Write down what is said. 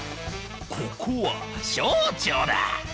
ここはしょうちょうだ！